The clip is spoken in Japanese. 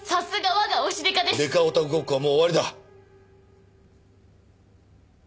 デカオタクごっこはもう終わりだ。